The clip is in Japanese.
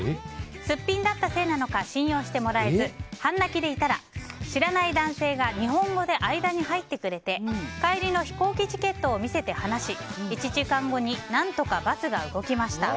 すっぴんだったせいなのか信用してもらえず半泣きでいたら知らない男性が日本語で間に入ってくれて帰りの飛行機チケットを見せて話し１時間後に何とかバスが動きました。